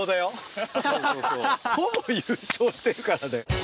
ほぼ優勝してるからね。